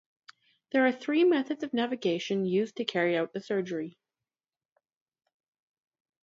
There are "three methods of navigation" used to carry out the surgery.